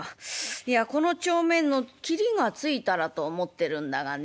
いやこの帳面の切りがついたらと思ってるんだがね